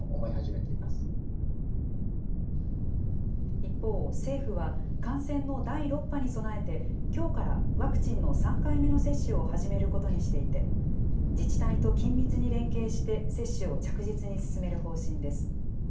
一方、政府は感染の第６波に備えて、きょうからワクチンの３回目の接種を始めることにしていて、自治体と緊密に連携して接種を着実に進める方針です。